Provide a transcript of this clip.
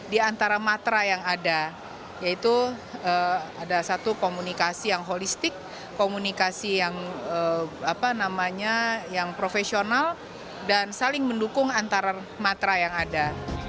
di antara matra yang ada yaitu ada satu komunikasi yang holistik komunikasi yang profesional dan saling mendukung antara matra yang ada